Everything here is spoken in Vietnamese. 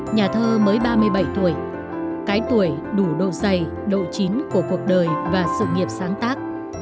nhà thơ mới ba mươi bảy tuổi cái tuổi đủ độ dày độ chín của cuộc đời và sự nghiệp sáng tác